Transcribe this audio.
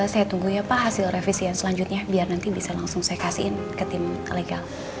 saya tunggu ya pak hasil revisi selanjutnya biar nanti bisa langsung saya kasihin ke tim ilegal